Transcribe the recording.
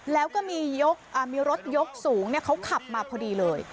แล้วก็มีรถยกสูงเขาขับมาพอดีเลย